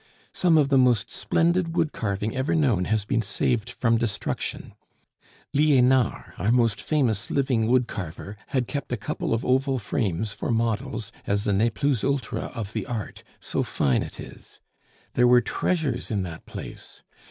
Some of the most splendid wood carving ever known has been saved from destruction; Lienard (our most famous living wood carver) had kept a couple of oval frames for models, as the ne plus ultra of the art, so fine it is. There were treasures in that place.